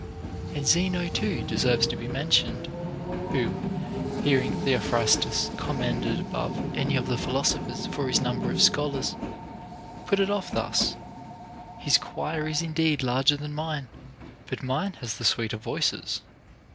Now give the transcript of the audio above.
And Zeno too deserves to be mentioned, who, hearing Theophrastus commended above any of the philosophers for his number of scholars, put it off thus : His choir is indeed larger than mine, but mine has the sweeter voices.